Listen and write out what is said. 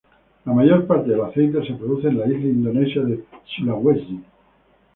La mayor parte del aceite se produce en la isla indonesia de Sulawesi.